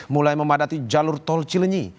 mulai memadati jalur tol cilenyi